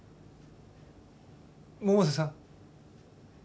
百瀬さん？